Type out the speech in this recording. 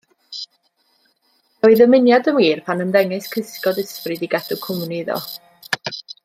Daw ei ddymuniad yn wir pan ymddengys cysgod ysbryd i gadw cwmni iddo.